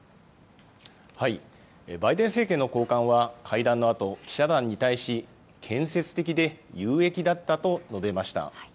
バイデン政権の高官は、会談のあと、記者団に対し、建設的で有益だったと述べました。